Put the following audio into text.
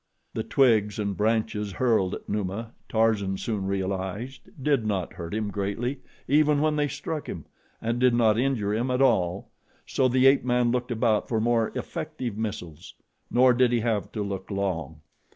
The twigs and branches hurled at Numa, Tarzan soon realized, did not hurt him greatly even when they struck him, and did not injure him at all, so the ape man looked about for more effective missiles, nor did he have to look long.